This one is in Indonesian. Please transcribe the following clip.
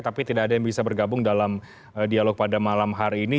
tapi tidak ada yang bisa bergabung dalam dialog pada malam hari ini